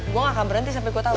gua ga akan berhenti sampe gua tau